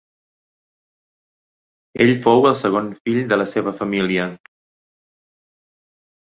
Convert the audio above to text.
Ell fou el segon fill de la seva família.